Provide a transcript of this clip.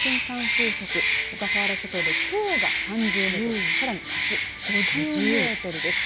風速小笠原諸島できょうが３０メートルさらにあす５０メートルです。